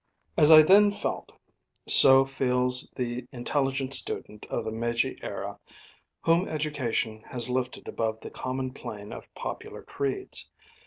As I then felt, so feels the intelligent student of the Meiji era whom education has lifted above the common plane of popular creeds.